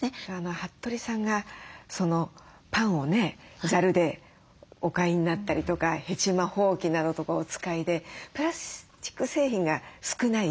服部さんがパンをねざるでお買いになったりとかヘチマほうきなどとかお使いでプラスチック製品が少ない。